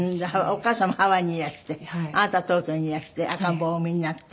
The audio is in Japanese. お母様はハワイにいらしてあなたは東京にいらして赤ん坊をお産みになって。